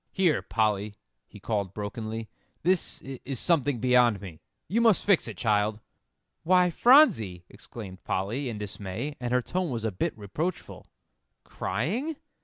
"Here, Polly," he called brokenly, "this is something beyond me. You must fix it, child." "Why, Phronsie!" exclaimed Polly, in dismay, and her tone was a bit reproachful. "Crying?